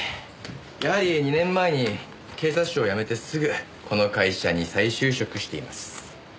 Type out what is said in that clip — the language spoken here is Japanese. やはり２年前に警察庁を辞めてすぐこの会社に再就職しています。